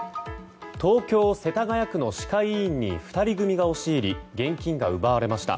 東京・世田谷区の歯科医院に２人組が押し入り現金が奪われました。